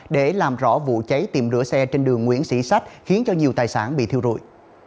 để làm rõ vụ cháy tiệm rửa xe trên đường nguyễn sĩ sách khiến cho nhiều tài sản bị thiêu rụi